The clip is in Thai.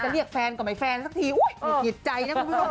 เรียกแฟนก่อนไม่แฟนสักทีหิดใจนะคุณผู้ชม